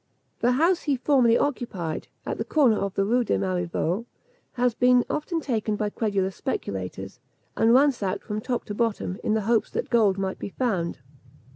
The house he formerly occupied, at the corner of the Rue de Marivaux, has been often taken by credulous speculators, and ransacked from top to bottom, in the hopes that gold might be found.